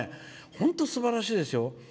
本当すばらしいですよ。